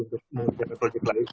mengerjakan proyek lain